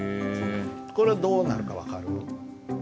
これどうなるか分かる？